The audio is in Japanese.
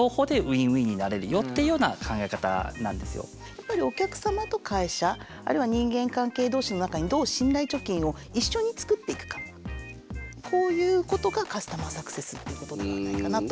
やっぱりお客様と会社あるいは人間関係同士の中にこういうことがカスタマーサクセスっていうことではないかなと。